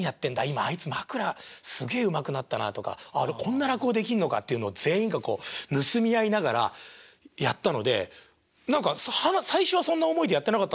今あいつ枕すげえうまくなったなとかこんな落語できんのかっていうのを全員がこう盗み合いながらやったので何か最初はそんな思いでやってなかったんですけどどんどん徐々にお互いがお互いを盗み合いながら